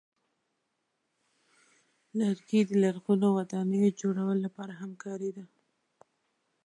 لرګی د لرغونو ودانیو جوړولو لپاره هم کارېده.